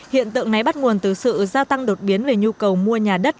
hiện tượng này bắt nguồn từ sự gia tăng đột biến về nhu cầu mua nhà đất